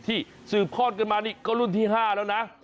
สืบทอดกันมานี่ก็รุ่นที่๕แล้วนะ